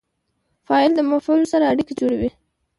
فاعل د مفعول سره اړیکه جوړوي.